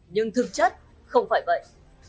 nhưng thực chất không phải vậy